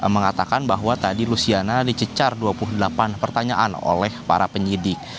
mengatakan bahwa tadi luciana dicecar dua puluh delapan pertanyaan oleh para penyidik